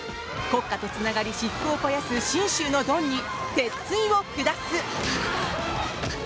国家とつながり、私腹を肥やす信州のドンに鉄槌を下す！